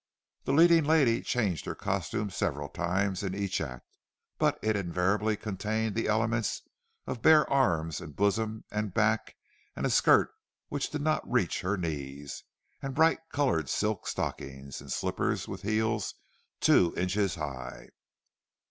The leading lady changed her costume several times in each act; but it invariably contained the elements of bare arms and bosom and back, and a skirt which did not reach her knees, and bright coloured silk stockings, and slippers with heels two inches high.